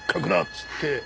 っつって。